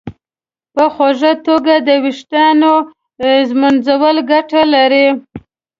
په خوږه توګه د ویښتانو ږمنځول ګټه لري.